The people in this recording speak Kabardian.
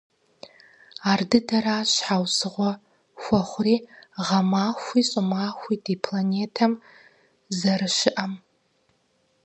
Ардыдэращ щхьэусыгъуэ хуэхъури гъэмахуи щӀымахуи ди планетэм зэрыщыӀэм.